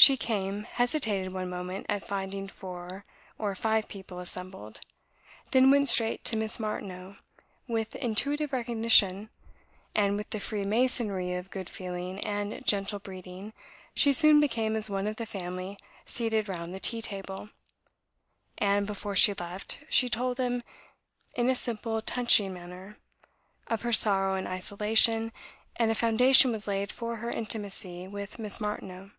She came, hesitated one moment at finding four or five people assembled, then went straight to Miss Martineau with intuitive recognition, and, with the free masonry of good feeling and gentle breeding, she soon became as one of the family seated round the tea table; and, before she left, she told them, in a simple, touching manner, of her sorrow and isolation, and a foundation was laid for her intimacy with Miss Martineau.